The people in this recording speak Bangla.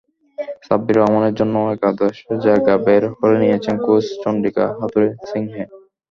সাব্বির রহমানের জন্যও একাদশে জায়গা বের করে নিয়েছেন কোচ চন্ডিকা হাথুরুসিংহে।